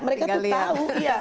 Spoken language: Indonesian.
mereka itu tahu